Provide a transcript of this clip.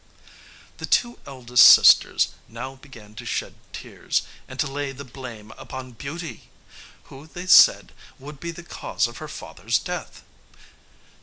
The two eldest sisters now began to shed tears, and to lay the blame upon Beauty, who, they said, would be the cause of her father's death.